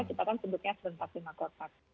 kita kan sebutnya serentak lima kotak